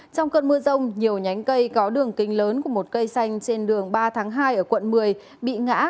trong cơn mưa rông nhiều nhánh cây có đường kinh lớn của một cây xanh trên đường ba tháng hai ở quận một mươi bị ngã